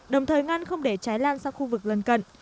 đồng thời ngăn không để cháy lan sang khu vực lần cận